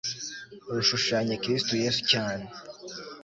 rushushanya kristo yesu cyane